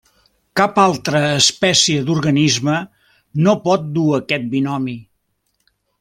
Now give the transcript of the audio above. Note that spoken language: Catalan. Cap altra espècie d'organisme no pot dur aquest binomi.